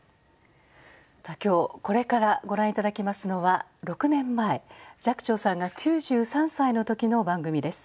今日これからご覧頂きますのは６年前寂聴さんが９３歳の時の番組です。